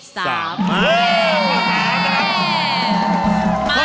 ข้อ๓นะครับ